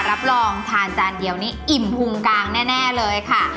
รับรองทานจานเดียวนี้อิ่มพุงกลางแน่เลยค่ะ